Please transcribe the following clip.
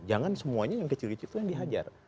jangan semuanya yang kecil kecil itu yang dihajar